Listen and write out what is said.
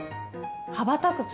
羽ばたく鶴？